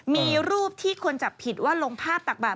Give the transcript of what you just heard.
มีรูปที่คนจับผิดว่าลงภาพตักบาด